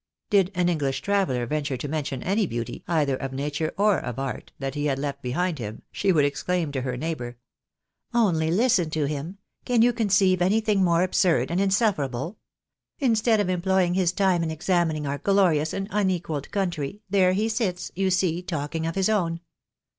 Did an Eng lish traveller venture to mention any beauty, either of nature or of art, that he had left behind him, she would exclaim to her neighbour —" Only listen to him ! Can you conceive any thing more absurd and insufferable ? Instead of employing his time in examining our glorious and unequalled country, there he sits, you see, talking of his own